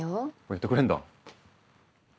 やってくれるんだ。